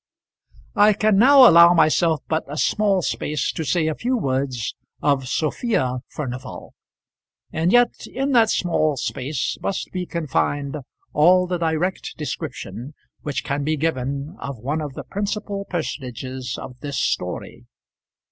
I can now allow myself but a small space to say a few words of Sophia Furnival, and yet in that small space must be confined all the direct description which can be given of one of the principal personages of this story.